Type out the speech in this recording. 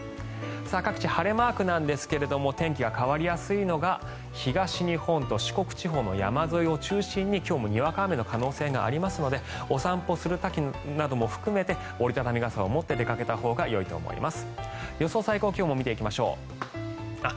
各地晴れマークですが天気が変わりやすいのが東日本と四国地方の山沿いを中心に今日もにわか雨の可能性がありますのでお散歩する時なども含めて折り畳み傘を持って出かけたほうがよいと思います。